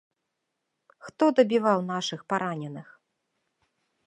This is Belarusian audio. Хто дабіваў нашых параненых?